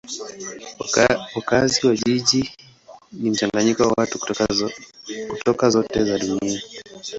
Wakazi wa jiji ni mchanganyiko wa watu kutoka zote za dunia.